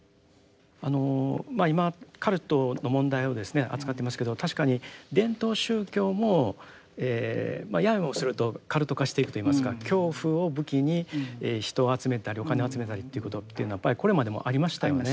あのまあ今カルトの問題を扱っていますけど確かに伝統宗教もややもするとカルト化していくといいますか恐怖を武器に人を集めたりお金を集めたりということっていうのはやっぱりこれまでもありましたよね。